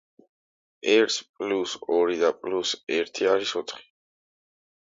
ერთს პლუს ორი და პლუს ერთი არის ოთხი.